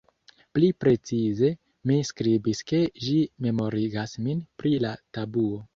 Pli precize, mi skribis ke ĝi "memorigas min" pri la tabuo.